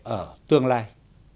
ở tương lai